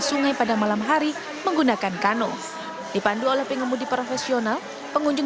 sungai pada malam hari menggunakan kano dipandu oleh pengemudi profesional pengunjung